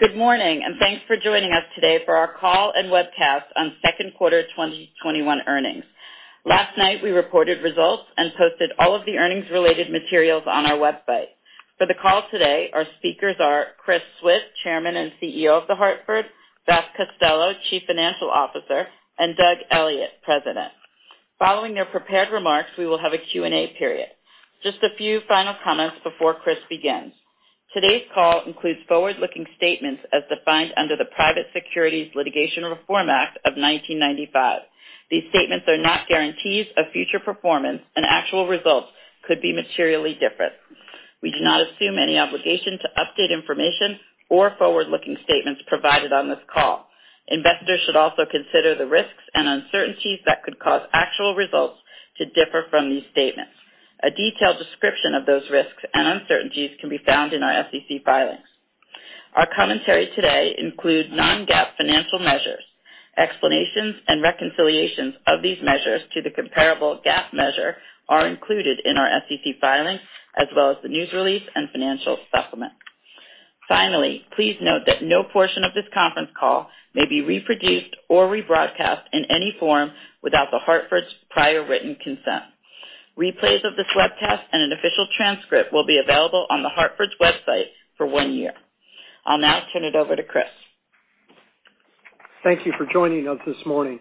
Good morning. Thanks for joining us today for our call and webcast on second quarter 2021 earnings. Last night, we reported results and posted all of the earnings related materials on our website. For the call today, our speakers are Chris Swift, Chairman and Chief Executive Officer of The Hartford, Beth Costello, Chief Financial Officer, and Doug Elliot, President. Following their prepared remarks, we will have a Q&A period. Just a few final comments before Chris begins. Today's call includes forward-looking statements as defined under the Private Securities Litigation Reform Act of 1995. These statements are not guarantees of future performance, and actual results could be materially different. We do not assume any obligation to update information or forward-looking statements provided on this call. Investors should also consider the risks and uncertainties that could cause actual results to differ from these statements. A detailed description of those risks and uncertainties can be found in our SEC filings. Our commentary today includes non-GAAP financial measures. Explanations and reconciliations of these measures to the comparable GAAP measure are included in our SEC filings, as well as the news release and financial supplement. Finally, please note that no portion of this conference call may be reproduced or rebroadcast in any form without The Hartford's prior written consent. Replays of this webcast and an official transcript will be available on The Hartford's website for one year. I'll now turn it over to Chris. Thank you for joining us this morning.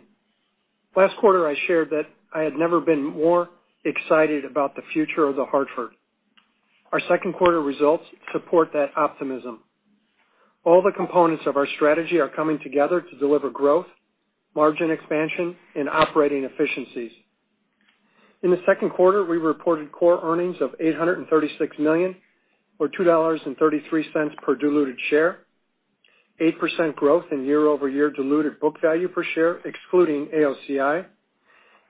Last quarter, I shared that I had never been more excited about the future of The Hartford. Our second quarter results support that optimism. All the components of our strategy are coming together to deliver growth, margin expansion, and operating efficiencies. In the second quarter, we reported core earnings of $836 million or $2.33 per diluted share, 8% growth in year-over-year diluted book value per share excluding AOCI,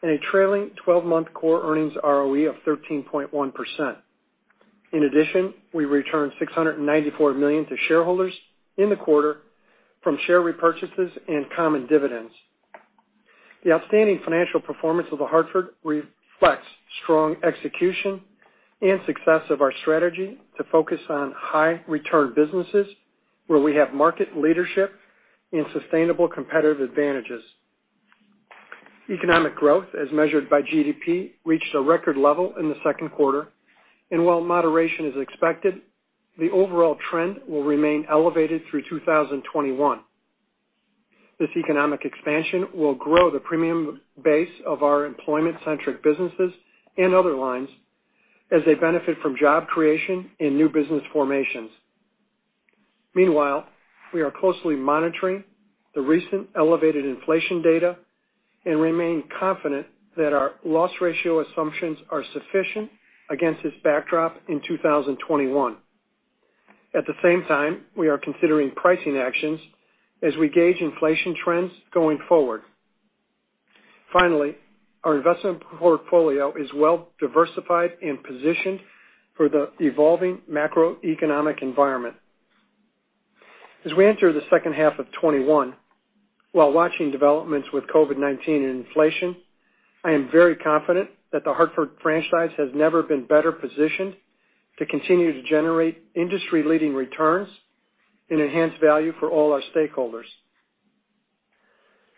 and a trailing 12-month core earnings ROE of 13.1%. In addition, we returned $694 million to shareholders in the quarter from share repurchases and common dividends. The outstanding financial performance of The Hartford reflects strong execution and success of our strategy to focus on high return businesses where we have market leadership and sustainable competitive advantages. Economic growth, as measured by GDP, reached a record level in the second quarter, and while moderation is expected, the overall trend will remain elevated through 2021. This economic expansion will grow the premium base of our employment centric businesses and other lines as they benefit from job creation and new business formations. Meanwhile, we are closely monitoring the recent elevated inflation data and remain confident that our loss ratio assumptions are sufficient against this backdrop in 2021. At the same time, we are considering pricing actions as we gauge inflation trends going forward. Finally, our investment portfolio is well diversified and positioned for the evolving macroeconomic environment. As we enter the second half of 2021, while watching developments with COVID-19 and inflation, I am very confident that The Hartford franchise has never been better positioned to continue to generate industry leading returns and enhance value for all our stakeholders.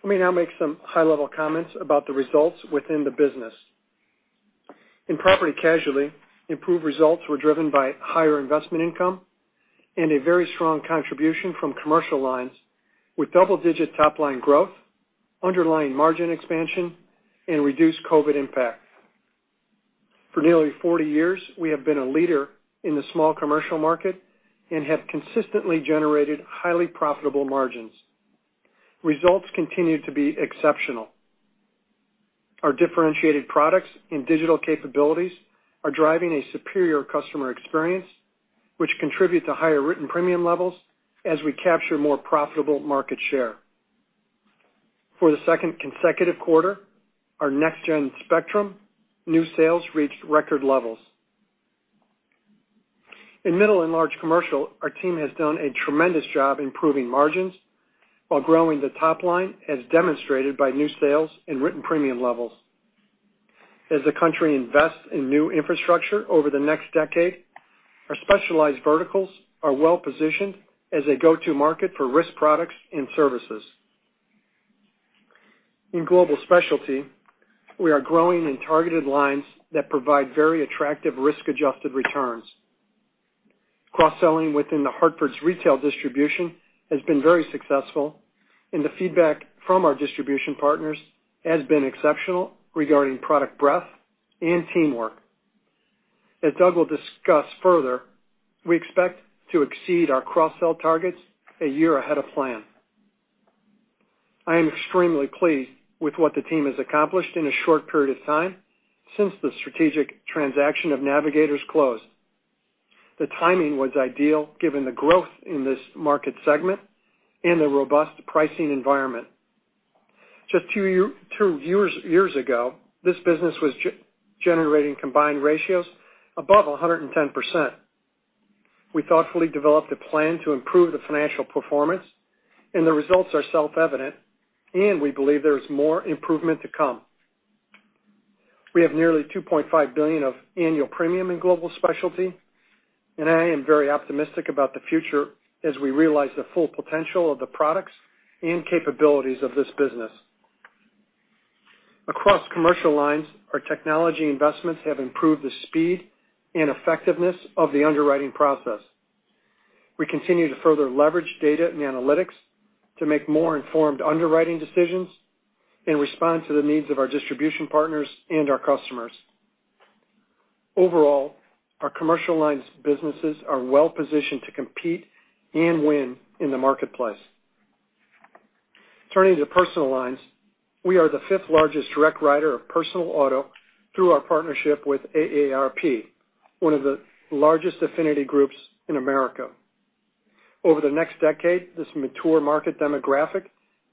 Let me now make some high-level comments about the results within the business. In property casualty, improved results were driven by higher investment income and a very strong contribution from commercial lines with double-digit top-line growth, underlying margin expansion, and reduced COVID-19 impact. For nearly 40 years, we have been a leader in the small commercial market and have consistently generated highly profitable margins. Results continue to be exceptional. Our differentiated products and digital capabilities are driving a superior customer experience, which contribute to higher written premium levels as we capture more profitable market share. For the second consecutive quarter, our Next Gen Spectrum new sales reached record levels. In middle and large commercial, our team has done a tremendous job improving margins while growing the top line, as demonstrated by new sales and written premium levels. As the country invests in new infrastructure over the next decade, our specialized verticals are well positioned as a go-to market for risk products and services. In Global Specialty, we are growing in targeted lines that provide very attractive risk adjusted returns. Cross-selling within The Hartford's retail distribution has been very successful. The feedback from our distribution partners has been exceptional regarding product breadth and teamwork. As Doug will discuss further, we expect to exceed our cross-sell targets a year ahead of plan. I am extremely pleased with what the team has accomplished in a short period of time since the strategic transaction of Navigators closed. The timing was ideal given the growth in this market segment and the robust pricing environment. Just two years ago, this business was generating combined ratios above 110%. We thoughtfully developed a plan to improve the financial performance. The results are self-evident. We believe there is more improvement to come. We have nearly $2.5 billion of annual premium in Global Specialty. I am very optimistic about the future as we realize the full potential of the products and capabilities of this business. Across Commercial Lines, our technology investments have improved the speed and effectiveness of the underwriting process. We continue to further leverage data and analytics to make more informed underwriting decisions and respond to the needs of our distribution partners and our customers. Overall, our Commercial Lines businesses are well-positioned to compete and win in the marketplace. Turning to Personal Lines, we are the fifth largest direct writer of personal auto through our partnership with AARP, one of the largest affinity groups in America. Over the next decade, this mature market demographic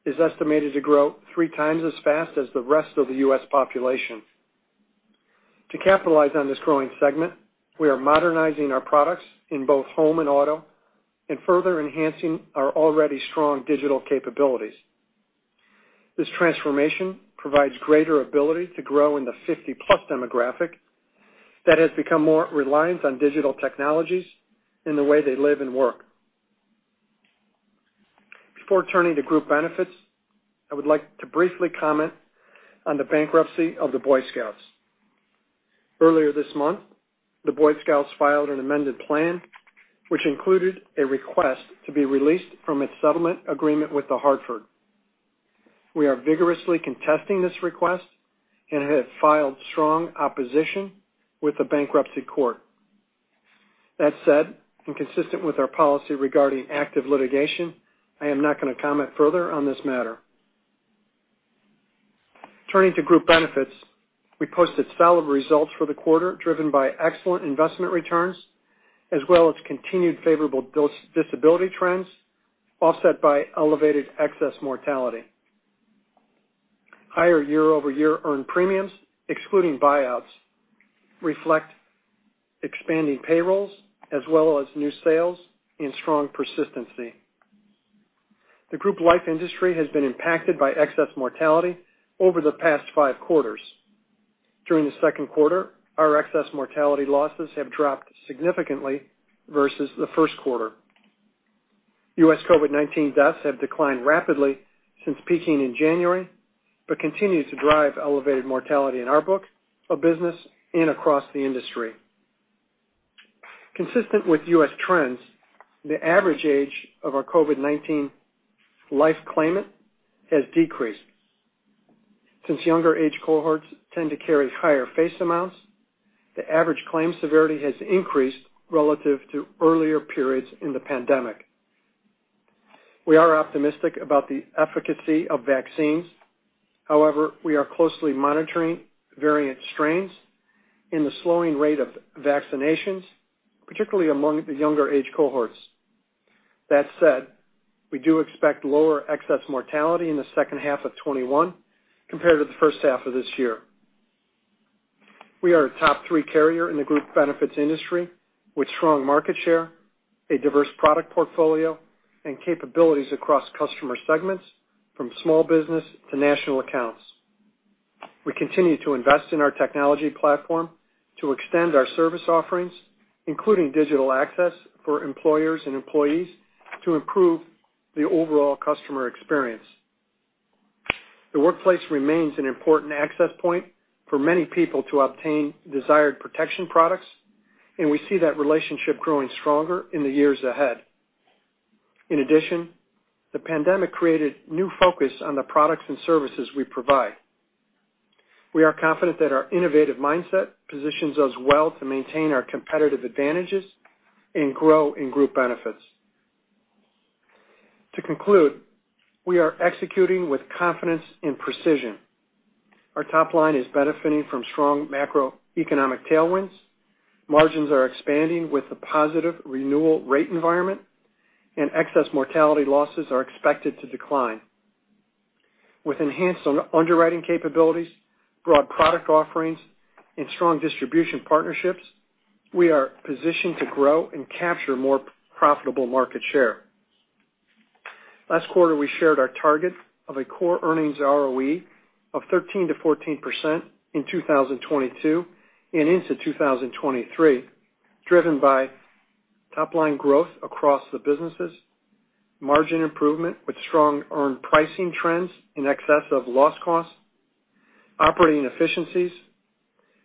is estimated to grow 3x as fast as the rest of the U.S. population. To capitalize on this growing segment, we are modernizing our products in both home and auto and further enhancing our already strong digital capabilities. This transformation provides greater ability to grow in the 50-plus demographic that has become more reliant on digital technologies in the way they live and work. Before turning to Group Benefits, I would like to briefly comment on the bankruptcy of the Boy Scouts. Earlier this month, the Boy Scouts filed an amended plan, which included a request to be released from its settlement agreement with The Hartford. We are vigorously contesting this request and have filed strong opposition with the bankruptcy court. That said, and consistent with our policy regarding active litigation, I am not going to comment further on this matter. Turning to Group Benefits, we posted solid results for the quarter, driven by excellent investment returns, as well as continued favorable disability trends, offset by elevated excess mortality. Higher year-over-year earned premiums, excluding buyouts, reflect expanding payrolls as well as new sales and strong persistency. The group life industry has been impacted by excess mortality over the past five quarters. During the 2nd quarter, our excess mortality losses have dropped significantly versus the 1st quarter. U.S. COVID-19 deaths have declined rapidly since peaking in January, but continue to drive elevated mortality in our book of business and across the industry. Consistent with U.S. trends, the average age of our COVID-19 life claimant has decreased. Since younger age cohorts tend to carry higher face amounts, the average claim severity has increased relative to earlier periods in the pandemic. We are optimistic about the efficacy of vaccines. However, we are closely monitoring variant strains and the slowing rate of vaccinations, particularly among the younger age cohorts. That said, we do expect lower excess mortality in the second half of 2021 compared to the first half of this year. We are a top three carrier in the group benefits industry with strong market share, a diverse product portfolio, and capabilities across customer segments, from small business to national accounts. We continue to invest in our technology platform to extend our service offerings, including digital access for employers and employees to improve the overall customer experience. The workplace remains an important access point for many people to obtain desired protection products, and we see that relationship growing stronger in the years ahead. In addition, the pandemic created new focus on the products and services we provide. We are confident that our innovative mindset positions us well to maintain our competitive advantages and grow in group benefits. To conclude, we are executing with confidence and precision. Our top line is benefiting from strong macroeconomic tailwinds. Margins are expanding with a positive renewal rate environment, and excess mortality losses are expected to decline. With enhanced underwriting capabilities, broad product offerings, and strong distribution partnerships, we are positioned to grow and capture more profitable market share. Last quarter, we shared our target of a core earnings ROE of 13%-14% in 2022 and into 2023, driven by top-line growth across the businesses, margin improvement with strong earned pricing trends in excess of loss costs, operating efficiencies,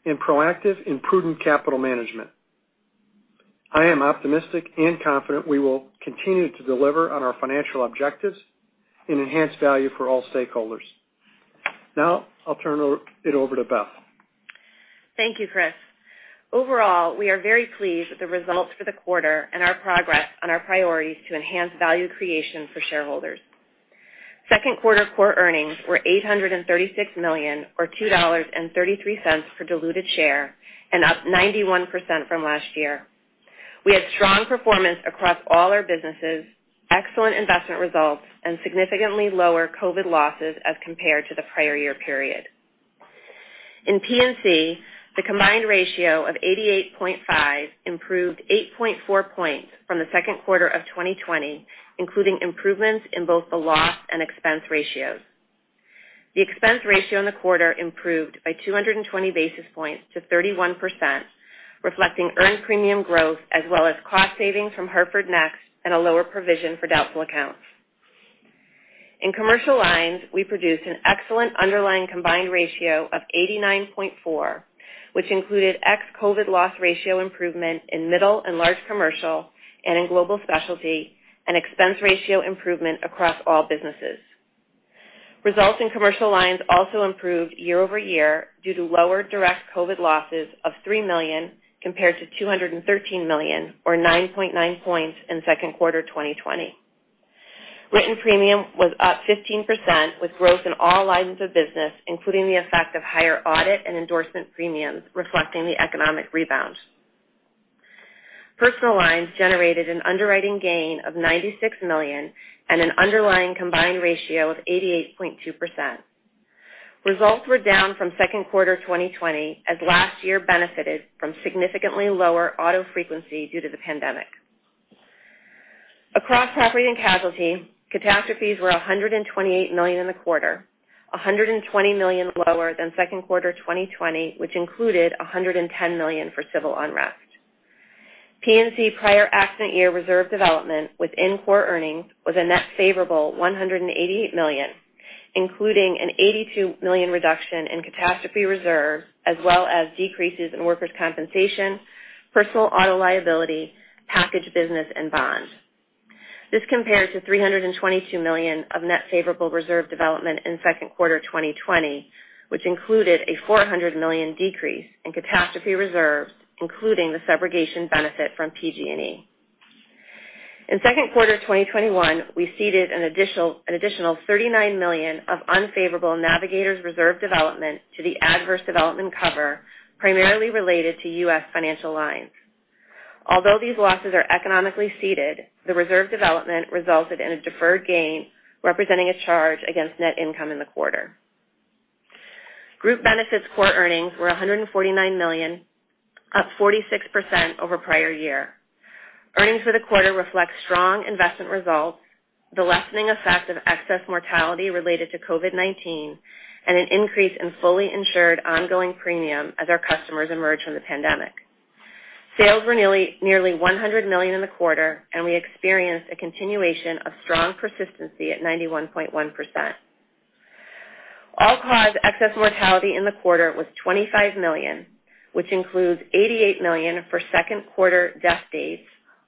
and proactive and prudent capital management. I am optimistic and confident we will continue to deliver on our financial objectives and enhance value for all stakeholders. Now I'll turn it over to Beth. Thank you, Chris. Overall, we are very pleased with the results for the quarter and our progress on our priorities to enhance value creation for shareholders. Second quarter core earnings were $836 million, or $2.33 per diluted share, up 91% from last year. We had strong performance across all our businesses, excellent investment results, significantly lower COVID-19 losses as compared to the prior year period. In P&C, the combined ratio of 88.5% improved 8.4 points from the second quarter of 2020, including improvements in both the loss and expense ratios. The expense ratio in the quarter improved by 220 basis points to 31%, reflecting earned premium growth as well as cost savings from Hartford Next and a lower provision for doubtful accounts. In commercial lines, we produced an excellent underlying combined ratio of 89.4%, which included ex-COVID loss ratio improvement in middle and large commercial and in Global Specialty and expense ratio improvement across all businesses. Results in commercial lines also improved year-over-year due to lower direct COVID losses of $3 million compared to $213 million, or 9.9 points in second quarter 2020. Written premium was up 15% with growth in all lines of business, including the effect of higher audit and endorsement premiums reflecting the economic rebound. Personal lines generated an underwriting gain of $96 million and an underlying combined ratio of 88.2%. Results were down from second quarter 2020 as last year benefited from significantly lower auto frequency due to the pandemic. Across property and casualty, catastrophes were $128 million in the quarter, $120 million lower than second quarter 2020, which included $110 million for civil unrest. P&C prior accident year reserve development within core earnings was a net favorable $188 million, including an $82 million reduction in catastrophe reserve, as well as decreases in workers' compensation, personal auto liability, package business, and bond. This compares to $322 million of net favorable reserve development in second quarter 2020, which included a $400 million decrease in catastrophe reserves, including the subrogation benefit from PG&E. In second quarter 2021, we ceded an additional $39 million of unfavorable Navigators reserve development to the adverse development cover primarily related to U.S. Financial lines. Although these losses are economically ceded, the reserve development resulted in a deferred gain representing a charge against net income in the quarter. Group Benefits core earnings were $149 million, up 46% over prior year. Earnings for the quarter reflect strong investment results, the lessening effect of excess mortality related to COVID-19, and an increase in fully insured ongoing premium as our customers emerge from the pandemic. Sales were nearly $100 million in the quarter, and we experienced a continuation of strong persistency at 91.1%. All-cause excess mortality in the quarter was $25 million, which includes $88 million for second quarter death dates,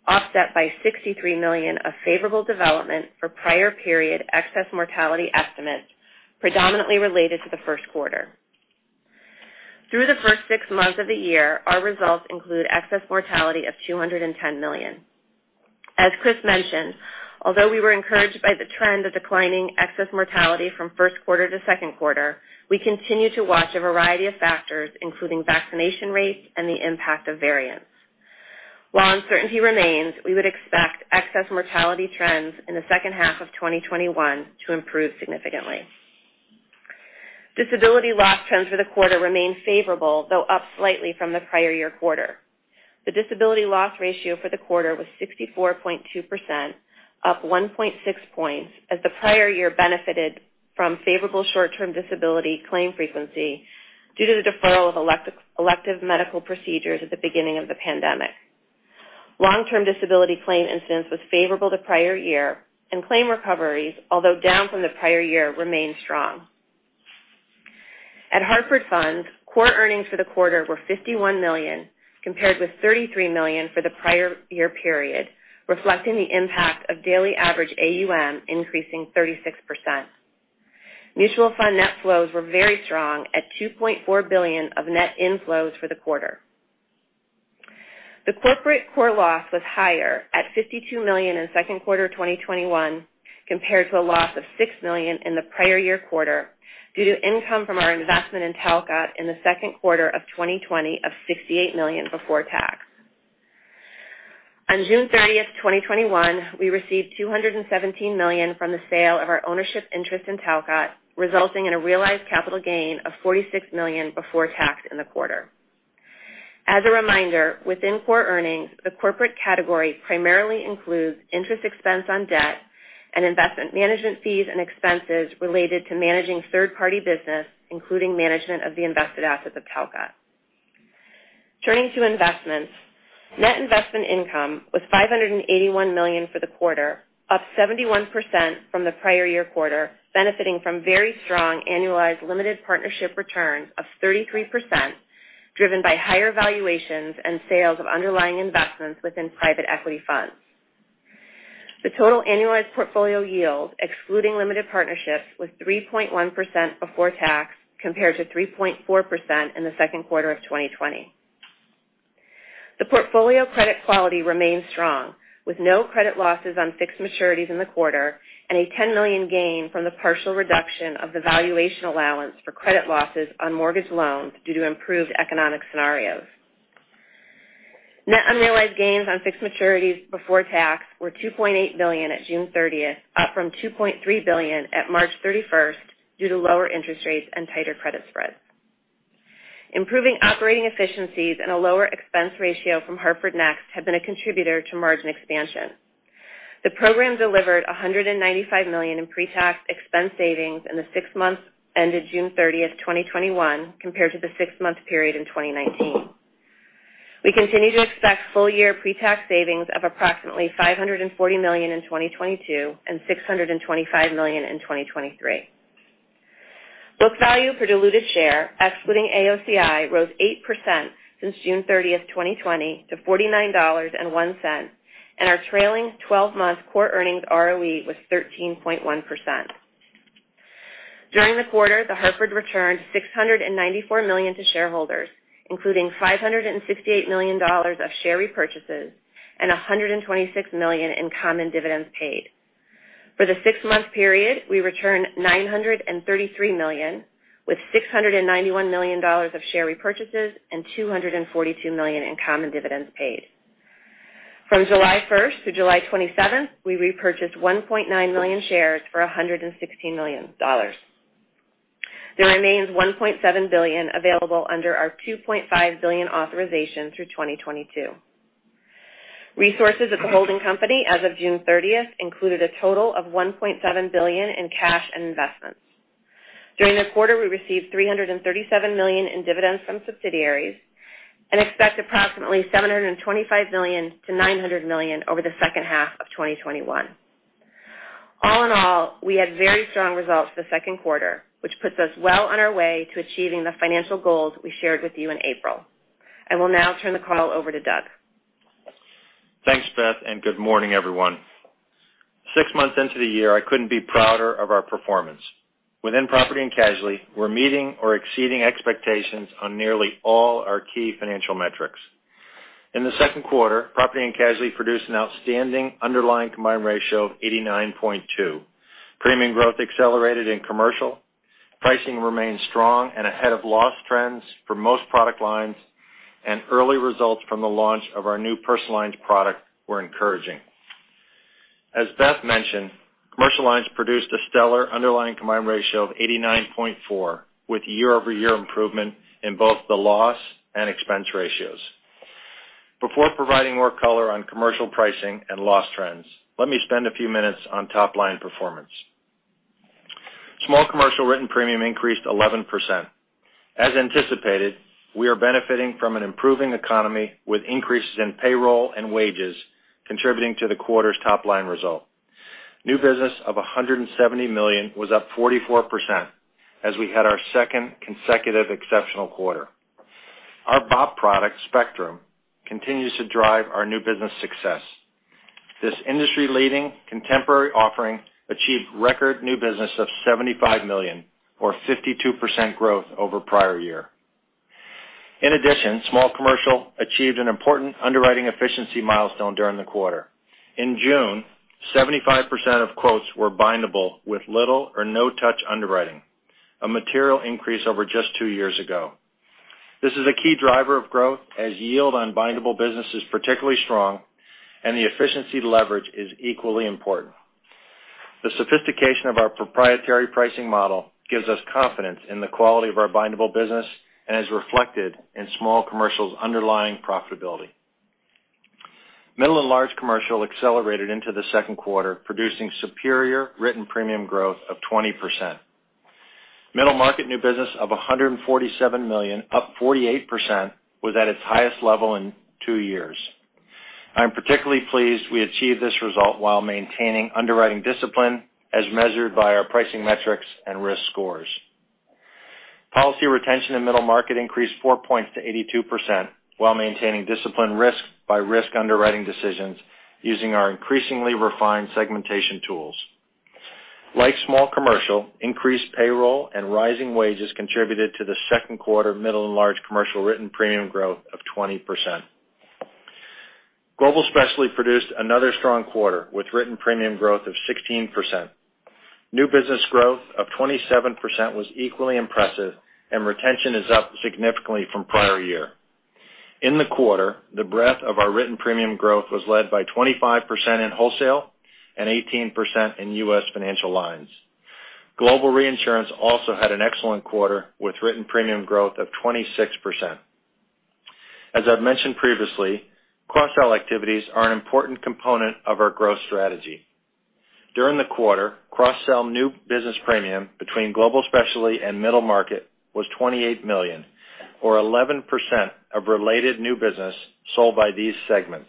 offset by $63 million of favorable development for prior period excess mortality estimates predominantly related to the first quarter. Through the first six months of the year, our results include excess mortality of $210 million. As Chris mentioned, although we were encouraged by the trend of declining excess mortality from first quarter to second quarter, we continue to watch a variety of factors, including vaccination rates and the impact of variants. While uncertainty remains, we would expect excess mortality trends in the second half of 2021 to improve significantly. Disability loss trends for the quarter remain favorable, though up slightly from the prior year quarter. The disability loss ratio for the quarter was 64.2%, up 1.6 points as the prior year benefited from favorable short-term disability claim frequency due to the deferral of elective medical procedures at the beginning of the pandemic. Long-term disability claim incidence was favorable to prior year, and claim recoveries, although down from the prior year, remained strong. At Hartford Funds, core earnings for the quarter were $51 million, compared with $33 million for the prior year period, reflecting the impact of daily average AUM increasing 36%. Mutual fund net flows were very strong at $2.4 billion of net inflows for the quarter. The corporate core loss was higher at $52 million in second quarter 2021 compared to a loss of $6 million in the prior year quarter due to income from our investment in Talcott in the second quarter of 2020 of $68 million before tax. On June 30th, 2021, we received $217 million from the sale of our ownership interest in Talcott, resulting in a realized capital gain of $46 million before tax in the quarter. As a reminder, within core earnings, the corporate category primarily includes interest expense on debt and investment management fees and expenses related to managing third-party business, including management of the invested assets of Talcott. Turning to investments. Net investment income was $581 million for the quarter, up 71% from the prior year quarter, benefiting from very strong annualized limited partnership returns of 33%, driven by higher valuations and sales of underlying investments within private equity funds. The total annualized portfolio yield, excluding limited partnerships, was 3.1% before tax compared to 3.4% in the second quarter of 2020. The portfolio credit quality remains strong, with no credit losses on fixed maturities in the quarter and a $10 million gain from the partial reduction of the valuation allowance for credit losses on mortgage loans due to improved economic scenarios. Net unrealized gains on fixed maturities before tax were $2.8 billion at June 30th, up from $2.3 billion at March 31st due to lower interest rates and tighter credit spreads. Improving operating efficiencies and a lower expense ratio from Hartford Next have been a contributor to margin expansion. The program delivered $195 million in pre-tax expense savings in the six months ended June 30th, 2021 compared to the six month period in 2019. We continue to expect full-year pre-tax savings of approximately $540 million in 2022 and $625 million in 2023. Book value per diluted share, excluding AOCI, rose 8% since June 30th, 2020 to $49.01, and our trailing 12-month core earnings ROE was 13.1%. During the quarter, The Hartford returned $694 million to shareholders, including $568 million of share repurchases and $126 million in common dividends paid. For the six month period, we returned $933 million, with $691 million of share repurchases and $242 million in common dividends paid. From July 1-July 27, we repurchased 1.9 million shares for $116 million. There remains $1.7 billion available under our $2.5 billion authorization through 2022. Resources at the holding company as of June 30th included a total of $1.7 billion in cash and investments. During the quarter, we received $337 million in dividends from subsidiaries and expect approximately $725 million-$900 million over the second half of 2021. We had very strong results the second quarter, which puts us well on our way to achieving the financial goals we shared with you in April. I will now turn the call over to Doug. Thanks, Beth, good morning, everyone. Six months into the year, I couldn't be prouder of our performance. Within property and casualty, we're meeting or exceeding expectations on nearly all our key financial metrics. In the second quarter, property and casualty produced an outstanding underlying combined ratio of 89.2%. Premium growth accelerated in commercial. Pricing remained strong and ahead of loss trends for most product lines. Early results from the launch of our new personal lines product were encouraging. As Beth mentioned, commercial lines produced a stellar underlying combined ratio of 89.4% with year-over-year improvement in both the loss and expense ratios. Before providing more color on commercial pricing and loss trends, let me spend a few minutes on top-line performance. Small commercial written premium increased 11%. As anticipated, we are benefiting from an improving economy with increases in payroll and wages contributing to the quarter's top-line result. New business of $170 million was up 44% as we had our second consecutive exceptional quarter. Our BOP product, Spectrum, continues to drive our new business success. This industry-leading contemporary offering achieved record new business of $75 million or 52% growth over prior year. In addition, small commercial achieved an important underwriting efficiency milestone during the quarter. In June, 75% of quotes were bindable with little or no touch underwriting, a material increase over just two years ago. This is a key driver of growth as yield on bindable business is particularly strong and the efficiency leverage is equally important. The sophistication of our proprietary pricing model gives us confidence in the quality of our bindable business and is reflected in small commercial's underlying profitability. Middle and large commercial accelerated into the second quarter, producing superior written premium growth of 20%. Middle Market new business of $147 million, up 48%, was at its highest level in two years. I'm particularly pleased we achieved this result while maintaining underwriting discipline as measured by our pricing metrics and risk scores. Policy retention in Middle Market increased four points to 82% while maintaining disciplined risk by risk underwriting decisions using our increasingly refined segmentation tools. Like Small Commercial, increased payroll and rising wages contributed to the second quarter Middle and Large Commercial written premium growth of 20%. Global Specialty produced another strong quarter with written premium growth of 16%. New business growth of 27% was equally impressive. Retention is up significantly from prior year. In the quarter, the breadth of our written premium growth was led by 25% in wholesale and 18% in U.S. financial lines. Global Reinsurance also had an excellent quarter with written premium growth of 26%. As I've mentioned previously, cross-sell activities are an important component of our growth strategy. During the quarter, cross-sell new business premium between Global Specialty and middle market was $28 million, or 11% of related new business sold by these segments.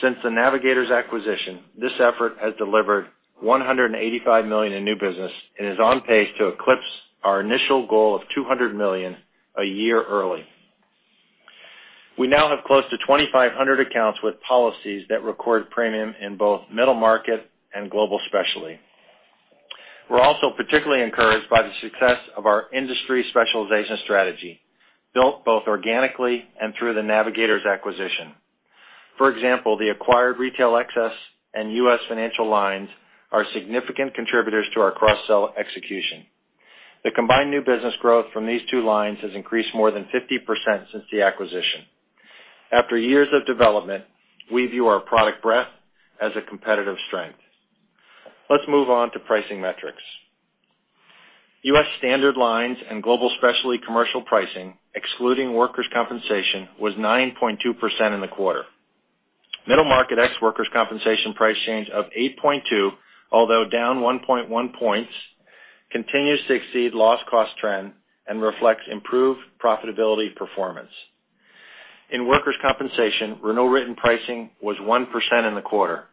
Since the Navigators acquisition, this effort has delivered $185 million in new business and is on pace to eclipse our initial goal of $200 million a year early. We now have close to 2,500 accounts with policies that record premium in both middle market and Global Specialty. We're also particularly encouraged by the success of our industry specialization strategy, built both organically and through the Navigators acquisition. For example, the acquired retail excess and U.S. financial lines are significant contributors to our cross-sell execution. The combined new business growth from these two lines has increased more than 50% since the acquisition. After years of development, we view our product breadth as a competitive strength. Let's move on to pricing metrics. U.S. standard lines and Global Specialty commercial pricing, excluding workers' compensation, was 9.2% in the quarter. Middle market ex workers' compensation price change of 8.2%, although down 1.1 points, continues to exceed loss cost trend and reflects improved profitability performance. In workers' compensation, renewal written pricing was 1% in the quarter.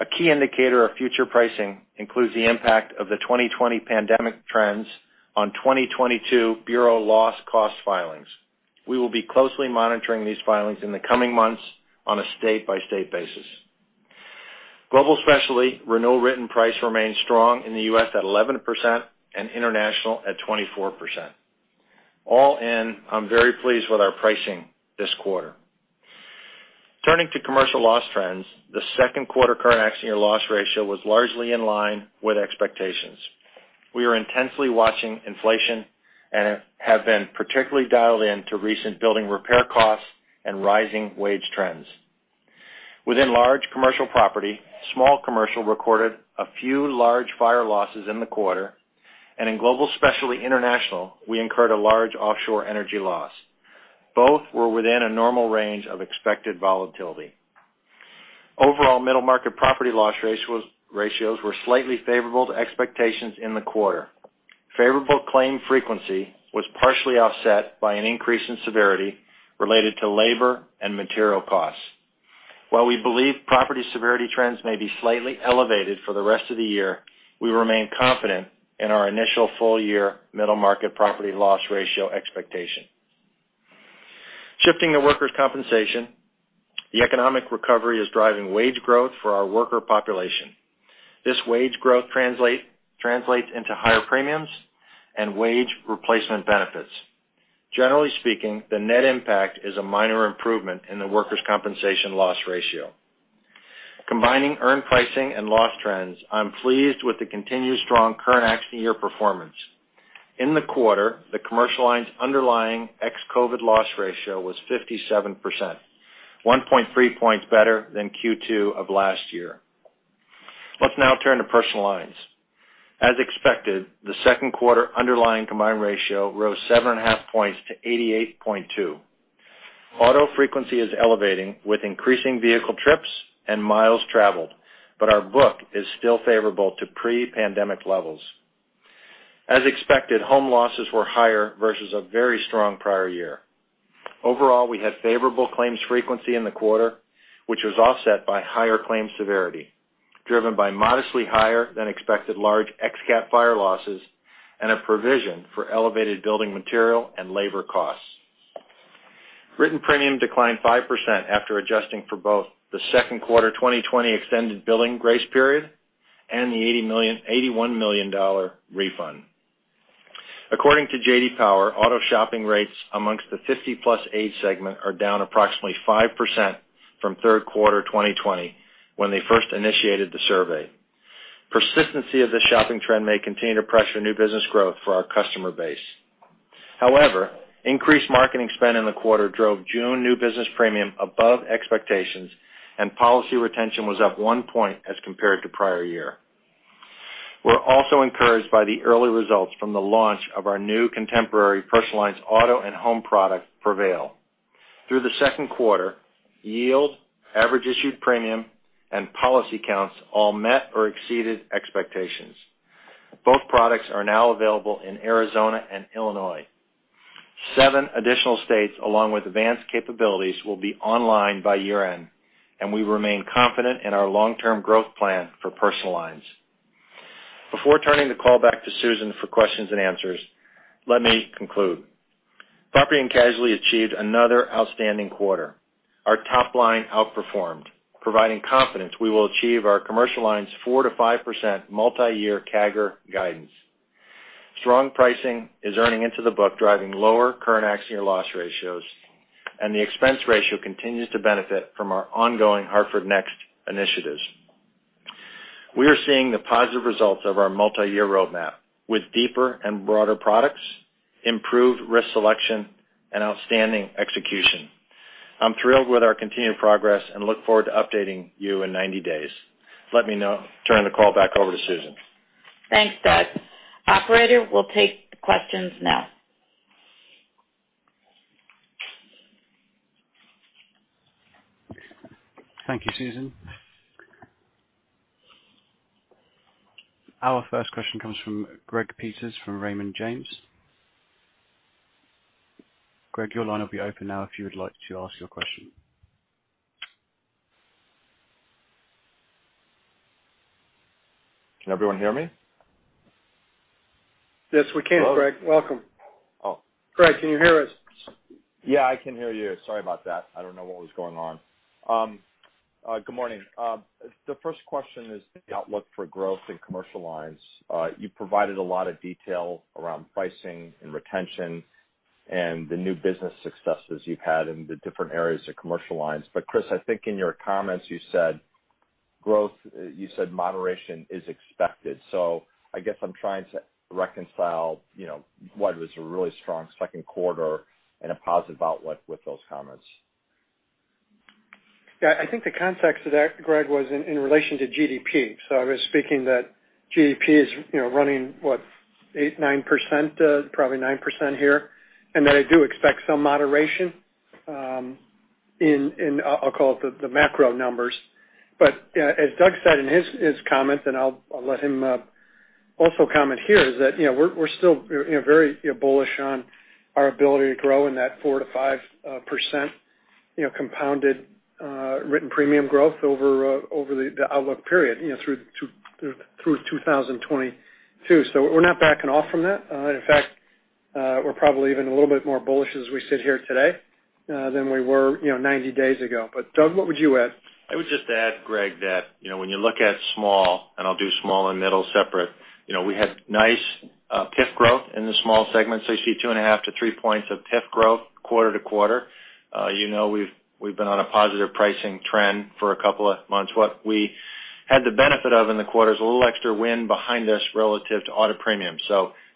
A key indicator of future pricing includes the impact of the 2020 pandemic trends on 2022 bureau loss cost filings. We will be closely monitoring these filings in the coming months on a state-by-state basis. Global Specialty renewal written price remains strong in the U.S. at 11% and international at 24%. All in, I'm very pleased with our pricing this quarter. Turning to commercial loss trends, the second quarter current accident year loss ratio was largely in line with expectations. We are intensely watching inflation and have been particularly dialed in to recent building repair costs and rising wage trends. Within large commercial property, small commercial recorded a few large fire losses in the quarter, and in Global Specialty international, we incurred a large offshore energy loss. Both were within a normal range of expected volatility. Overall middle market property loss ratios were slightly favorable to expectations in the quarter. Favorable claim frequency was partially offset by an increase in severity related to labor and material costs. While we believe property severity trends may be slightly elevated for the rest of the year, we remain confident in our initial full-year middle market property loss ratio expectation. Shifting to workers' compensation, the economic recovery is driving wage growth for our worker population. This wage growth translates into higher premiums and wage replacement benefits. Generally speaking, the net impact is a minor improvement in the workers' compensation loss ratio. Combining earned pricing and loss trends, I'm pleased with the continued strong current accident year performance. In the quarter, the commercial lines underlying ex-COVID loss ratio was 57%, 1.3 points better than Q2 of last year. Let's now turn to personal lines. As expected, the second quarter underlying combined ratio rose 7.5 points to 88.2%. Auto frequency is elevating with increasing vehicle trips and miles traveled, but our book is still favorable to pre-pandemic levels. As expected, home losses were higher versus a very strong prior year. Overall, we had favorable claims frequency in the quarter, which was offset by higher claims severity, driven by modestly higher than expected large ex-cat fire losses and a provision for elevated building material and labor costs. Written premium declined 5% after adjusting for both the second quarter 2020 extended billing grace period and the $81 million refund. According to JD Power, auto shopping rates amongst the 50-plus age segment are down approximately 5% from third quarter 2020 when they first initiated the survey. Persistency of this shopping trend may continue to pressure new business growth for our customer base. Increased marketing spend in the quarter drove June new business premium above expectations, and policy retention was up 1 point as compared to prior year. We're also encouraged by the early results from the launch of our new contemporary personalized auto and home product, Prevail. Through the second quarter, yield, average issued premium, and policy counts all met or exceeded expectations. Both products are now available in Arizona and Illinois. Seven additional states, along with advanced capabilities, will be online by year-end. We remain confident in our long-term growth plan for personal lines. Before turning the call back to Susan for questions and answers, let me conclude. Property and Casualty achieved another outstanding quarter. Our top line outperformed, providing confidence we will achieve our commercial lines 4%-5% multi-year CAGR guidance. Strong pricing is earning into the book, driving lower current accident year loss ratios, and the expense ratio continues to benefit from our ongoing Hartford Next initiatives. We are seeing the positive results of our multi-year roadmap with deeper and broader products, improved risk selection, and outstanding execution. I'm thrilled with our continued progress and look forward to updating you in 90 days. Let me now turn the call back over to Susan. Thanks, Doug. Operator, we'll take the questions now. Thank you, Susan. Our first question comes from Greg Peters from Raymond James. Greg, your line will be open now if you would like to ask your question. Can everyone hear me? Yes, we can, Greg. Welcome. Oh. Greg, can you hear us? Yeah, I can hear you. Sorry about that. I don't know what was going on. Good morning. The first question is the outlook for growth in commercial lines. You provided a lot of detail around pricing and retention and the new business successes you've had in the different areas of commercial lines. Chris, I think in your comments you said moderation is expected. I guess I'm trying to reconcile what was a really strong second quarter and a positive outlook with those comments. Yeah, I think the context of that, Greg, was in relation to GDP. I was speaking that GDP is running, what, 8%, 9%, probably 9% here, and that I do expect some moderation in, I'll call it, the macro numbers. As Doug said in his comments, and I'll let him also comment here, is that we're still very bullish on our ability to grow in that 4%-5% compounded written premium growth over the outlook period through 2022. We're not backing off from that. In fact, we're probably even a little bit more bullish as we sit here today, than we were 90 days ago. Doug, what would you add? I would just add, Greg, that when you look at small, and I'll do small and middle separate, we had nice PIF growth in the small segment. You see 2.5-3 points of PIF growth quarter-over-quarter. You know we've been on a positive pricing trend for a couple of months. What we had the benefit of in the quarter is a little extra wind behind us relative to audit premium.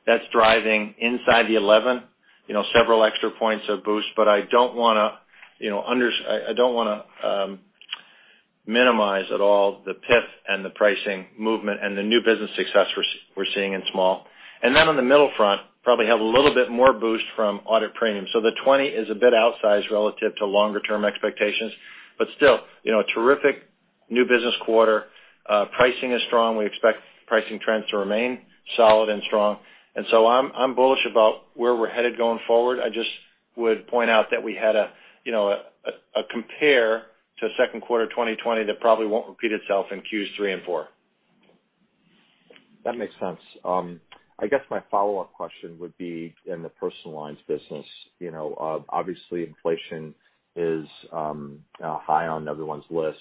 That's driving inside the 11, several extra points of boost. I don't want to minimize at all the PIF and the pricing movement and the new business success we're seeing in small. On the middle front, probably have a little bit more boost from audit premium. The 20 is a bit outsized relative to longer term expectations, but still a terrific new business quarter. Pricing is strong. We expect pricing trends to remain solid and strong. I'm bullish about where we're headed going forward. I just would point out that we had a compare to second quarter 2020 that probably won't repeat itself in Q3 and Q4. That makes sense. I guess my follow-up question would be in the personal lines business. Obviously, inflation is high on everyone's lists.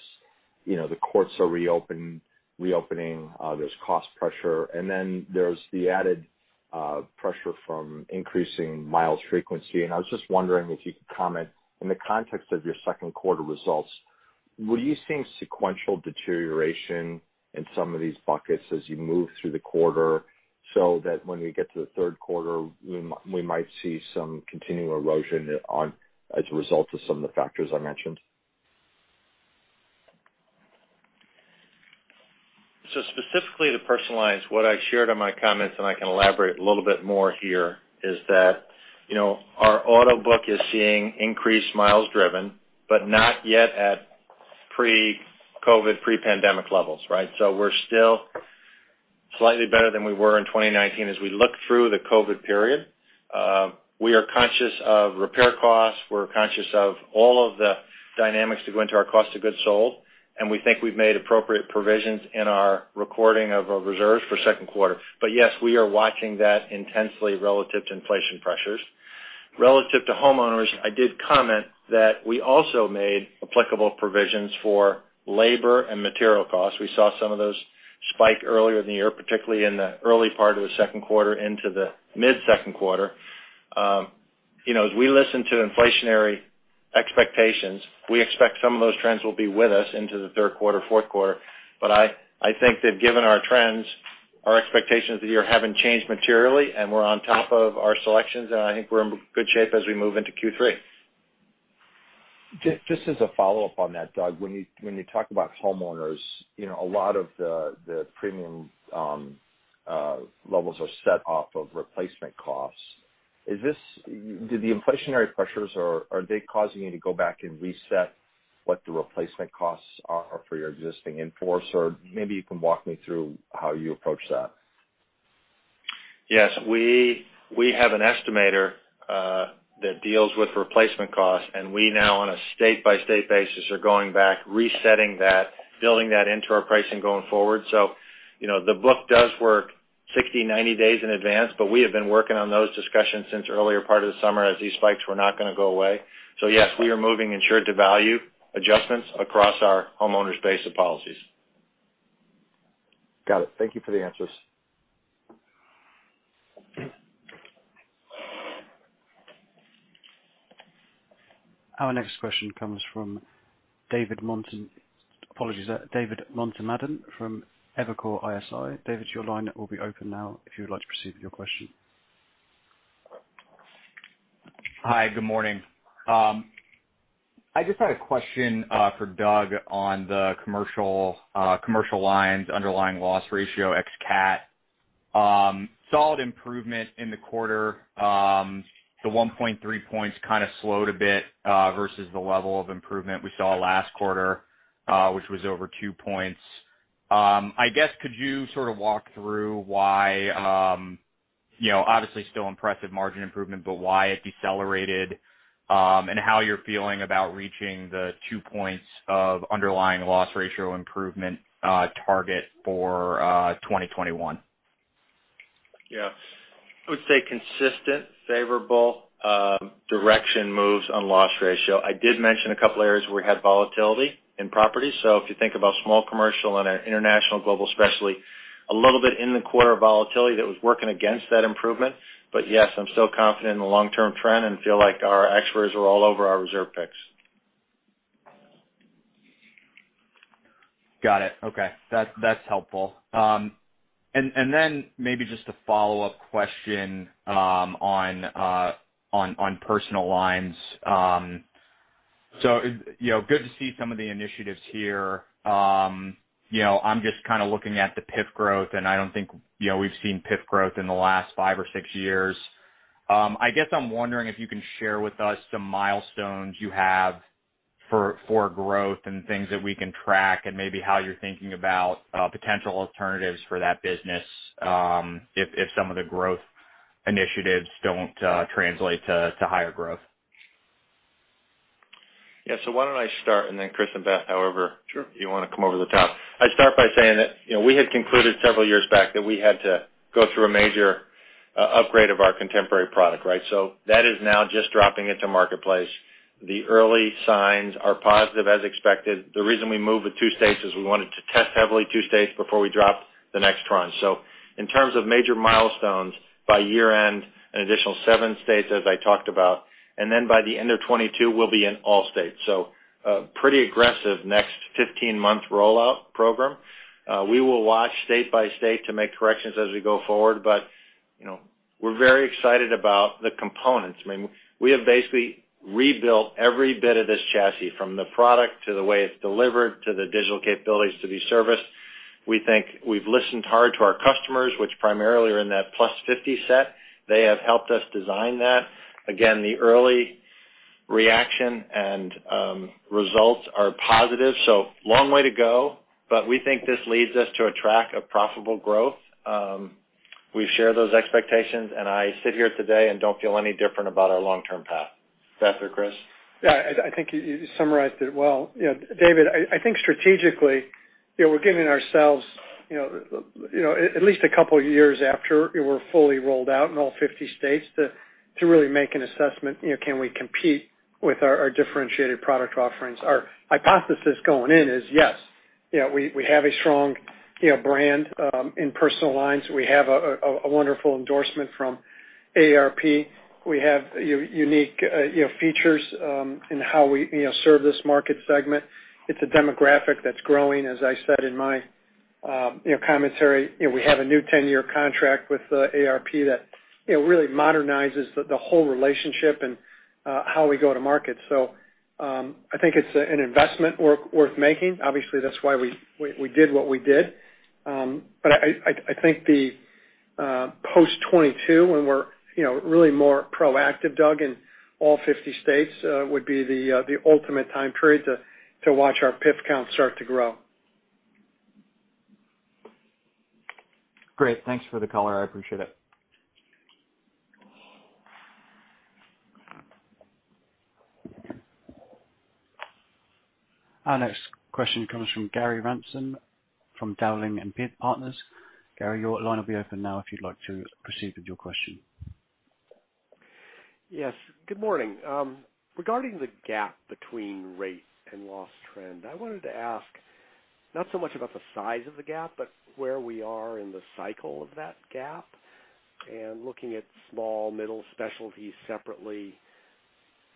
The courts are reopening, there's cost pressure, and then there's the added pressure from increasing miles frequency. I was just wondering if you could comment in the context of your second quarter results, were you seeing sequential deterioration in some of these buckets as you move through the quarter so that when we get to the third quarter, we might see some continuing erosion as a result of some of the factors I mentioned? Specifically to personal lines, what I shared in my comments, and I can elaborate a little bit more here, is that our auto book is seeing increased miles driven, but not yet at pre-COVID, pre-pandemic levels, right? We are still slightly better than we were in 2019 as we look through the COVID period. We are conscious of repair costs, we are conscious of all of the dynamics that go into our cost of goods sold, and we think we have made appropriate provisions in our recording of our reserves for second quarter. Yes, we are watching that intensely relative to inflation pressures. Relative to homeowners, I did comment that we also made applicable provisions for labor and material costs. We saw some of those spike earlier in the year, particularly in the early part of the second quarter into the mid-second quarter. As we listen to inflationary expectations, we expect some of those trends will be with us into the third quarter, fourth quarter. I think that given our trends, our expectations of the year haven't changed materially, and we're on top of our selections, and I think we're in good shape as we move into Q3. Just as a follow-up on that, Doug, when you talk about homeowners, a lot of the premium levels are set off of replacement costs. The inflationary pressures, are they causing you to go back and reset what the replacement costs are for your existing in-force? Maybe you can walk me through how you approach that? Yes. We have an estimator that deals with replacement costs, and we now on a state-by-state basis are going back, resetting that, building that into our pricing going forward. The book does work 60-90 days in advance, but we have been working on those discussions since the earlier part of the summer as these spikes were not going to go away. Yes, we are moving insured to value adjustments across our homeowners base of policies. Got it. Thank you for the answers. Our next question comes from David Motemaden. Apologies. David Motemaden from Evercore ISI. David, your line will be open now if you would like to proceed with your question. Hi. Good morning. I just had a question for Doug on the commercial lines underlying loss ratio ex-cat. Solid improvement in the quarter. The 1.3 points kind of slowed a bit versus the level of improvement we saw last quarter, which was over two points. I guess, could you sort of walk through why, obviously still impressive margin improvement, but why it decelerated, and how you're feeling about reaching the two points of underlying loss ratio improvement target for 2021? Yeah. I would say consistent, favorable direction moves on loss ratio. I did mention a couple areas where we had volatility in property. If you think about small commercial and international Global Specialty, a little bit in the quarter volatility that was working against that improvement. Yes, I'm still confident in the long-term trend and feel like our experts are all over our reserve picks. Got it. Okay. That's helpful. Then maybe just a follow-up question on personal lines. Good to see some of the initiatives here. I'm just kind of looking at the PIF growth, and I don't think we've seen PIF growth in the last five or six years. I guess I'm wondering if you can share with us some milestones you have for growth and things that we can track and maybe how you're thinking about potential alternatives for that business, if some of the growth initiatives don't translate to higher growth. Yeah. Why don't I start and then Chris and Beth. Sure. You want to come over the top. I'd start by saying that we had concluded several years back that we had to go through a major upgrade of our contemporary product, right? That is now just dropping into marketplace. The early signs are positive as expected. The reason we moved with two states is we wanted to test heavily two states before we dropped the next tranche. In terms of major milestones, by year-end, an additional seven states, as I talked about, and then by the end of 2022, we'll be in all states. Pretty aggressive next 15-month rollout program. We will watch state by state to make corrections as we go forward, but we are very excited about the components. I mean, we have basically rebuilt every bit of this chassis, from the product to the way it's delivered to the digital capabilities to be serviced. We think we've listened hard to our customers, which primarily are in that plus 50 set. They have helped us design that. Again, the early reaction and results are positive. Long way to go, but we think this leads us to a track of profitable growth. We share those expectations, and I sit here today and don't feel any different about our long-term path. Beth or Chris? I think you summarized it well. David, I think strategically, we're giving ourselves at least a couple years after we're fully rolled out in all 50 states to really make an assessment. Can we compete with our differentiated product offerings? Our hypothesis going in is, yes. We have a strong brand in personal lines. We have a wonderful endorsement from AARP. We have unique features in how we serve this market segment. It's a demographic that's growing, as I said in my commentary. We have a new 10-year contract with AARP that really modernizes the whole relationship and how we go to market. I think it's an investment worth making. Obviously, that's why we did what we did. I think the post 2022, when we're really more proactive, Doug, in all 50 states, would be the ultimate time period to watch our PIF count start to grow. Great. Thanks for the color. I appreciate it. Our next question comes from Gary Ransom from Dowling & Partners. Gary, your line will be open now if you'd like to proceed with your question. Yes. Good morning. Regarding the gap between rate and loss trend, I wanted to ask not so much about the size of the gap, but where we are in the cycle of that gap. Looking at small, middle specialties separately,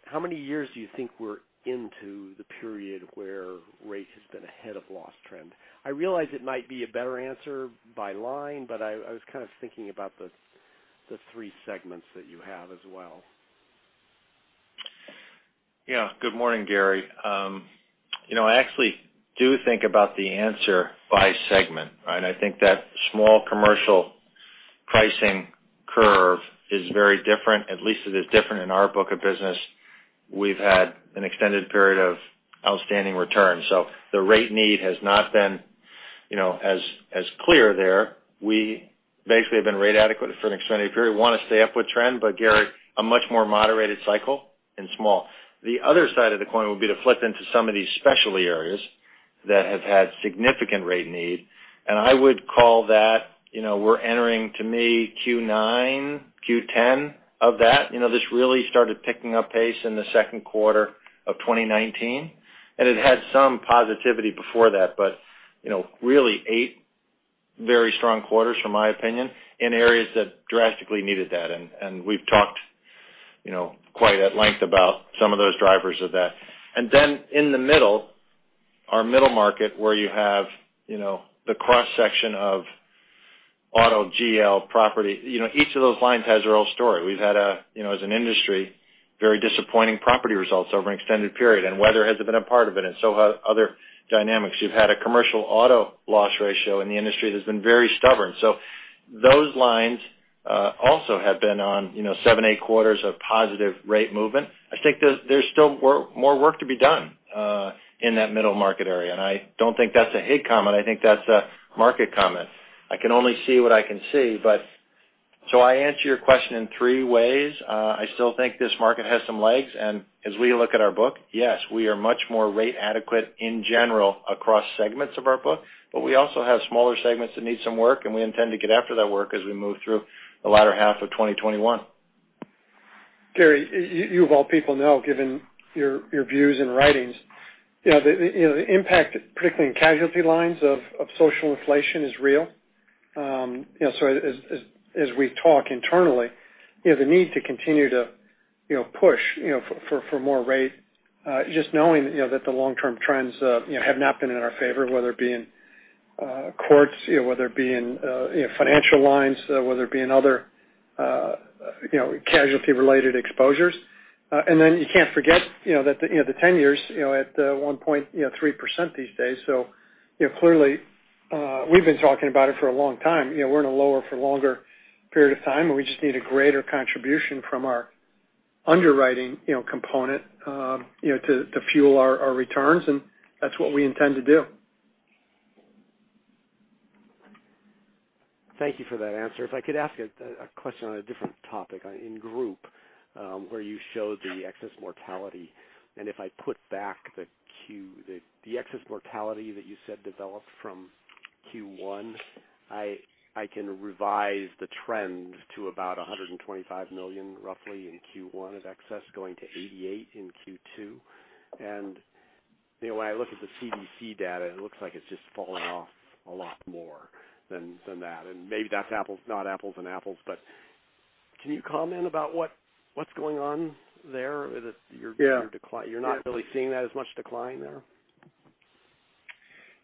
how many years do you think we're into the period where rate has been ahead of loss trend? I realize it might be a better answer by line, but I was kind of thinking about the three segments that you have as well. Good morning, Gary. I actually do think about the answer by segment, right? I think that small commercial pricing curve is very different. At least it is different in our book of business. We've had an extended period of outstanding returns, so the rate need has not been as clear there. We basically have been rate adequate for an extended period. Want to stay up with trend, but Gary, a much more moderated cycle in small. The other side of the coin would be to flip into some of these specialty areas that have had significant rate need, and I would call that we're entering, to me, Q9, Q10 of that. This really started picking up pace in the second quarter of 2019, and it had some positivity before that, but really eight very strong quarters, from my opinion, in areas that drastically needed that. We've talked quite at length about some of those drivers of that. Then in the middle, our middle market, where you have the cross-section of auto GL property. Each of those lines has their own story. We've had, as an industry, very disappointing property results over an extended period, and weather has been a part of it and so have other dynamics. You've had a commercial auto loss ratio in the industry that's been very stubborn. Those lines also have been on 7-8 quarters of positive rate movement. I think there's still more work to be done in that middle market area, and I don't think that's a HIG comment. I think that's a market comment. I can only see what I can see. I answer your question in three ways. I still think this market has some legs, and as we look at our book, yes, we are much more rate adequate in general across segments of our book, but we also have smaller segments that need some work, and we intend to get after that work as we move through the latter half of 2021. Gary, you of all people know, given your views and writings, the impact, particularly in casualty lines of social inflation is real. As we talk internally, the need to continue to push for more rate just knowing that the long-term trends have not been in our favor, whether it be in courts, whether it be in financial lines, whether it be in other casualty-related exposures. You can't forget the 10 years at 1.3% these days. Clearly, we've been talking about it for a long time. We're in a lower for longer period of time, where we just need a greater contribution from our underwriting component to fuel our returns. That's what we intend to do. Thank you for that answer. If I could ask a question on a different topic. In group, where you showed the excess mortality, if I put back the excess mortality that you said developed from Q1, I can revise the trend to about $125 million roughly in Q1 of excess, going to $88 million in Q2. When I look at the CDC data, it looks like it's just falling off a lot more than that. Maybe that's not apples and apples, but can you comment about what's going on there? Yeah. You're not really seeing that as much decline there?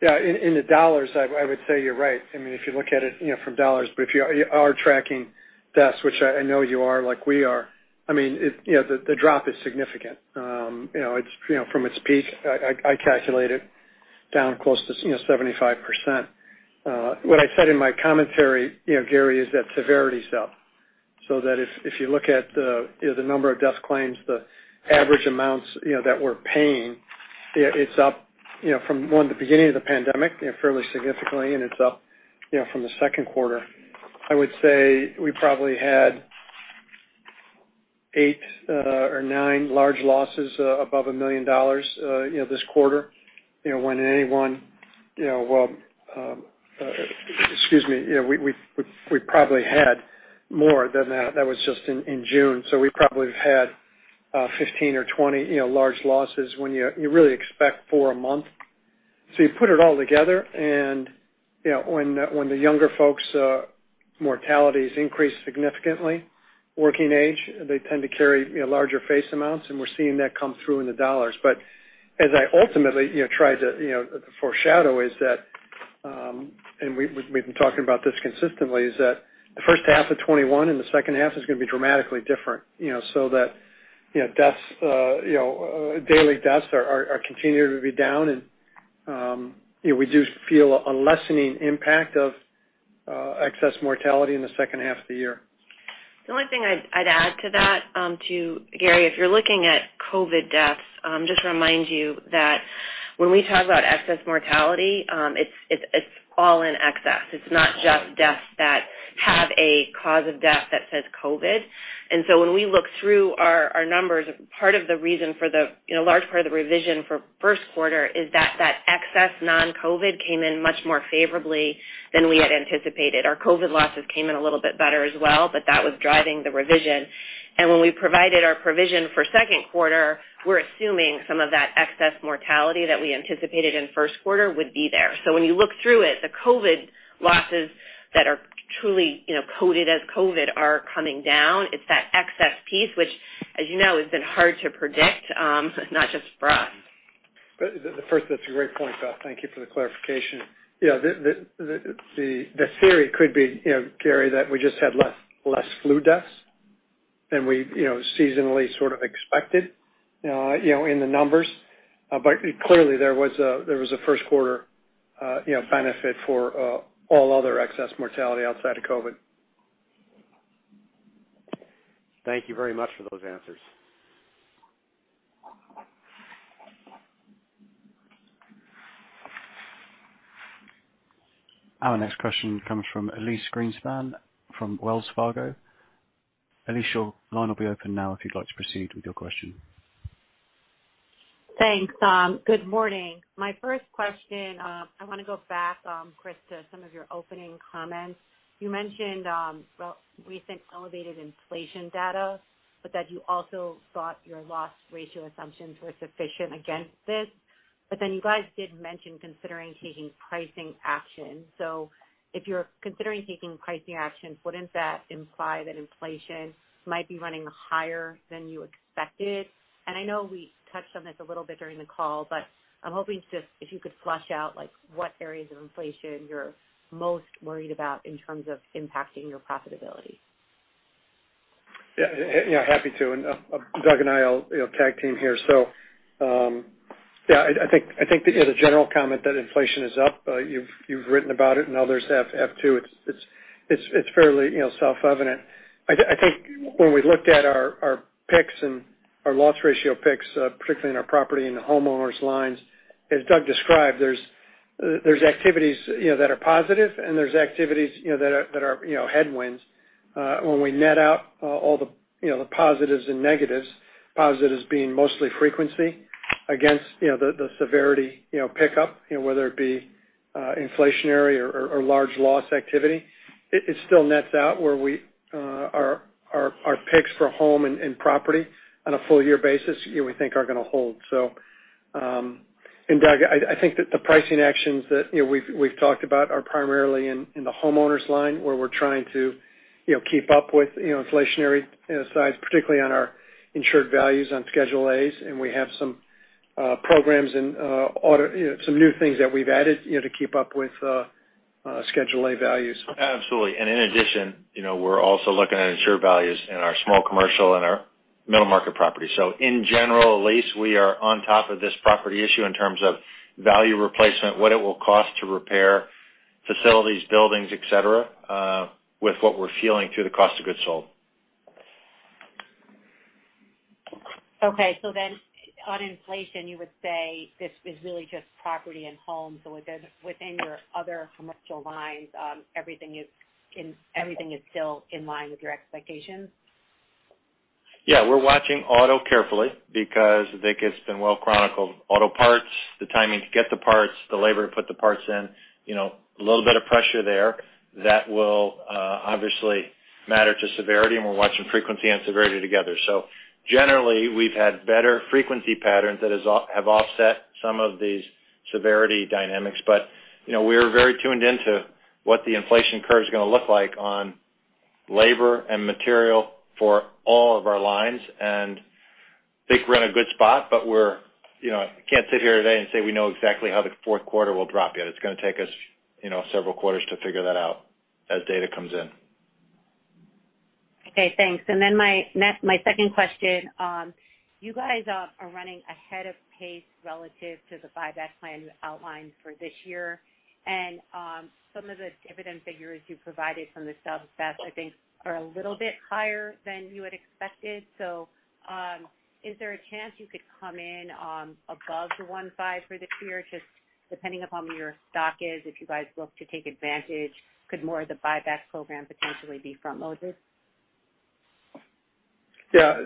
Yeah. In the dollars, I would say you're right. If you look at it from dollars, if you are tracking deaths, which I know you are like we are, the drop is significant. From its peak, I calculate it down close to 75%. What I said in my commentary, Gary, is that severity is up, so that if you look at the number of death claims, the average amounts that we're paying, it's up from, one, the beginning of the pandemic fairly significantly, and it's up from the 2nd quarter. I would say we probably had eight or nine large losses above $1 million this quarter when any one. Excuse me. We probably had more than that. That was just in June. We probably have had 15 or 20 large losses when you really expect four a month. You put it all together, and when the younger folks' mortalities increase significantly, working age, they tend to carry larger face amounts, and we're seeing that come through in the dollars. As I ultimately tried to foreshadow is that, and we've been talking about this consistently, is that the first half of 2021 and the second half is going to be dramatically different. Daily deaths are continuing to be down, and we do feel a lessening impact of excess mortality in the second half of the year. The only thing I'd add to that, too, Gary, if you're looking at COVID deaths, just remind you that when we talk about excess mortality, it's all in excess. It's not just deaths that have a cause of death that says COVID. When we look through our numbers, a large part of the revision for first quarter is that that excess non-COVID came in much more favorably than we had anticipated. Our COVID losses came in a little bit better as well, but that was driving the revision. When we provided our provision for second quarter, we're assuming some of that excess mortality that we anticipated in first quarter would be there. When you look through it, the COVID losses that are truly coded as COVID are coming down. It's that excess piece, which, as you know, has been hard to predict, not just for us. First, that's a great point, Beth. Thank you for the clarification. The theory could be, Gary, that we just had less flu deaths than we seasonally sort of expected in the numbers. Clearly, there was a first quarter benefit for all other excess mortality outside of COVID. Thank you very much for those answers. Our next question comes from Elyse Greenspan from Wells Fargo. Elyse, your line will be open now if you'd like to proceed with your question. Thanks. Good morning. My first question, I want to go back, Chris, to some of your opening comments. You mentioned recent elevated inflation data, but that you also thought your loss ratio assumptions were sufficient against this. You guys did mention considering taking pricing action. If you're considering taking pricing action, wouldn't that imply that inflation might be running higher than you expected? I know we touched on this a little bit during the call, but I'm hoping if you could flesh out what areas of inflation you're most worried about in terms of impacting your profitability. Yeah. Happy to, and Doug and I will tag team here. I think the general comment that inflation is up, you've written about it and others have too. It's fairly self-evident. I think when we looked at our picks and our loss ratio picks, particularly in our property and the homeowners lines, as Doug described, there's activities that are positive, and there's activities that are headwinds. When we net out all the positives and negatives, positives being mostly frequency against the severity pickup, whether it be inflationary or large loss activity. It still nets out where our picks for home and property on a full-year basis, we think are going to hold. Doug, I think that the pricing actions that we've talked about are primarily in the homeowners line, where we're trying to keep up with inflationary sides, particularly on our insured values on Schedule A's, and we have some programs and some new things that we've added to keep up with Schedule A values. Absolutely. In addition, we're also looking at insured values in our small commercial and our middle-market property. In general, Elyse, we are on top of this property issue in terms of value replacement, what it will cost to repair facilities, buildings, et cetera, with what we're feeling through the cost of goods sold. Okay. On inflation, you would say this is really just property and home. Within your other commercial lines, everything is still in line with your expectations? Yeah, we're watching auto carefully because I think it's been well chronicled. Auto parts, the timing to get the parts, the labor to put the parts in, a little bit of pressure there that will obviously matter to severity, and we're watching frequency and severity together. Generally, we've had better frequency patterns that have offset some of these severity dynamics. We are very tuned into what the inflation curve is going to look like on labor and material for all of our lines, and I think we're in a good spot, but we can't sit here today and say we know exactly how the fourth quarter will drop yet. It's going to take us several quarters to figure that out as data comes in. Okay, thanks. My second question. You guys are running ahead of pace relative to the buyback plan you outlined for this year. Some of the dividend figures you provided from the 10-Q, I think are a little bit higher than you had expected. Is there a chance you could come in above the $1.5 billion for this year, just depending upon where your stock is, if you guys look to take advantage, could more of the buyback program potentially be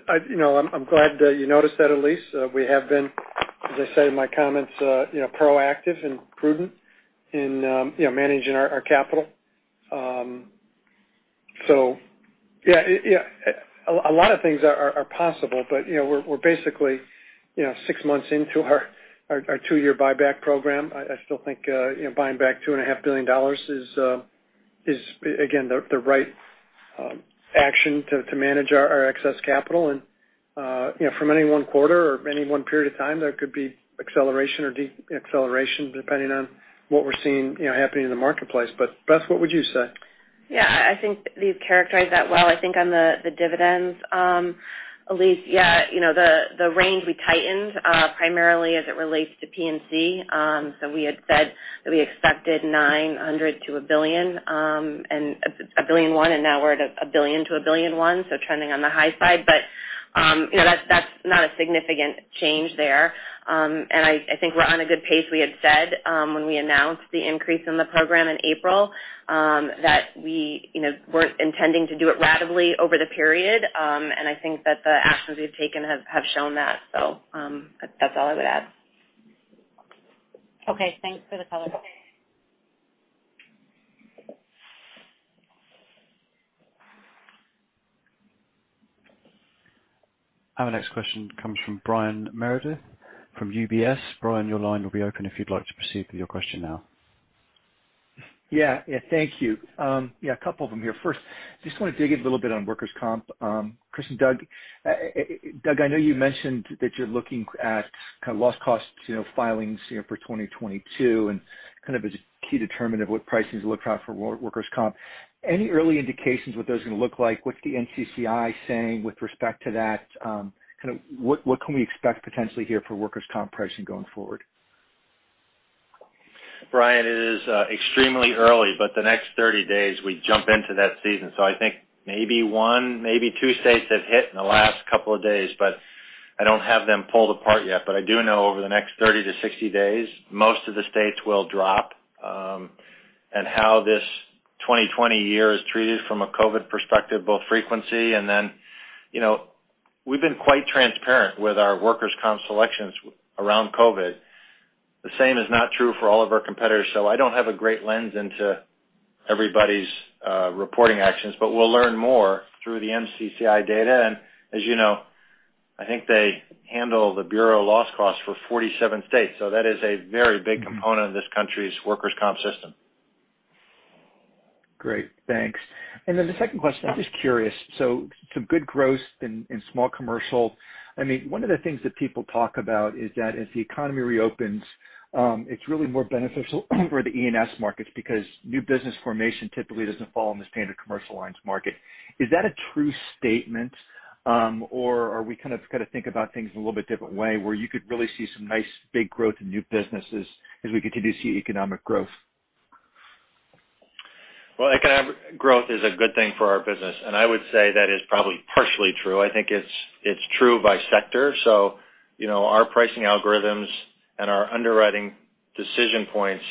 front-loaded? I'm glad you noticed that, Elyse. We have been, as I said in my comments, proactive and prudent in managing our capital. A lot of things are possible, but we're basically six months into our two year buyback program. I still think buying back $2.5 billion is, again, the right action to manage our excess capital. From any one quarter or any one period of time, there could be acceleration or deacceleration, depending on what we're seeing happening in the marketplace. Beth, what would you say? Yeah, I think you've characterized that well. I think on the dividends, Elyse, yeah, the range we tightened primarily as it relates to P&C. We had said that we expected $900 million-$1 billion, $1.1 billion, and now we're at $1 billion-$1.1 billion, so trending on the high side. That's not a significant change there. I think we're on a good pace. We had said, when we announced the increase in the program in April, that we weren't intending to do it ratably over the period. I think that the actions we've taken have shown that. That's all I would add. Okay. Thanks for the color. Our next question comes from Brian Meredith from UBS. Brian, your line will be open if you'd like to proceed with your question now. Thank you. A couple of them here. First, just want to dig in a little bit on workers' comp. Chris and Doug. Doug, I know you mentioned that you're looking at kind of loss costs filings for 2022 and kind of as a key determinant of what pricing to look out for workers' comp. Any early indications what those are going to look like? What's the NCCI saying with respect to that? What can we expect potentially here for workers' comp pricing going forward? Brian, it is extremely early. The next 30 days, we jump into that season. I think maybe one, maybe two states have hit in the last couple of days, but I don't have them pulled apart yet. I do know over the next 30-60 days, most of the states will drop. How this 2020 year is treated from a COVID perspective, both frequency and then, we've been quite transparent with our workers' comp selections around COVID. The same is not true for all of our competitors. I don't have a great lens into everybody's reporting actions. We'll learn more through the NCCI data. As you know, I think they handle the bureau loss cost for 47 states. That is a very big component of this country's workers' comp system. Great. Thanks. Then the second question, I'm just curious. Some good growth in small commercial. One of the things that people talk about is that as the economy reopens, it's really more beneficial for the E&S markets because new business formation typically doesn't fall in the standard commercial lines market. Is that a true statement? Are we kind of got to think about things in a little bit different way, where you could really see some nice big growth in new businesses as we continue to see economic growth? Economic growth is a good thing for our business, and I would say that is probably partially true. I think it's true by sector. Our pricing algorithms and our underwriting decision points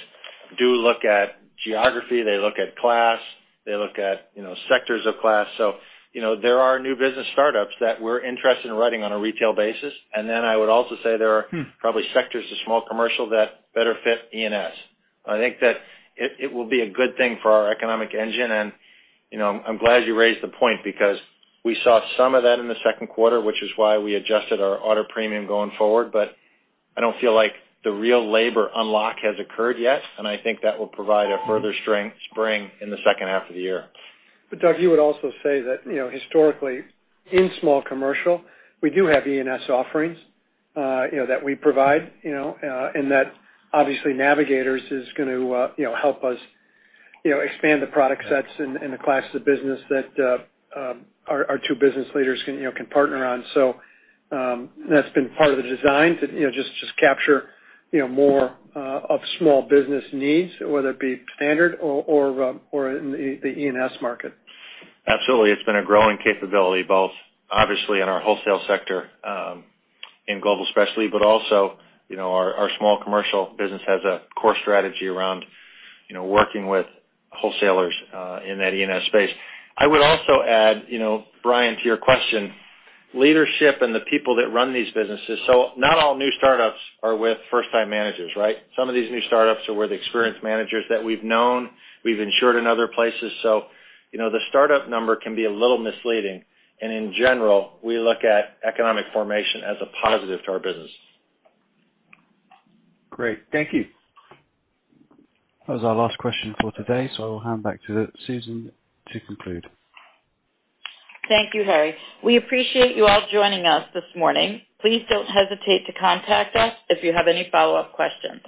do look at geography, they look at class, they look at sectors of class. There are new business startups that we're interested in writing on a retail basis. Then I would also say there are probably sectors of small commercial that better fit E&S. I think that it will be a good thing for our economic engine, and I'm glad you raised the point because we saw some of that in the 2nd quarter, which is why we adjusted our auto premium going forward. I don't feel like the real labor unlock has occurred yet, and I think that will provide a further spring in the 2nd half of the year. Doug, you would also say that historically in small commercial, we do have E&S offerings that we provide, and that obviously Navigators is going to help us expand the product sets and the classes of business that our two business leaders can partner on. That's been part of the design to just capture more of small business needs, whether it be standard or in the E&S market. Absolutely. It's been a growing capability, both obviously in our wholesale sector, in Global Specialty, also our small commercial business has a core strategy around working with wholesalers in that E&S space. I would also add, Brian, to your question, leadership and the people that run these businesses. Not all new startups are with first-time managers, right? Some of these new startups are with experienced managers that we've known, we've insured in other places. The startup number can be a little misleading. In general, we look at economic formation as a positive to our business. Great. Thank you. That was our last question for today. I will hand back to Susan to conclude. Thank you, Harry. We appreciate you all joining us this morning. Please don't hesitate to contact us if you have any follow-up questions.